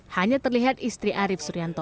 hanya terlihat istri arief surianto